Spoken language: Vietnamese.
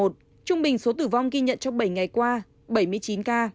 trung bình số tử vong ghi nhận trong bảy ngày qua bảy mươi chín ca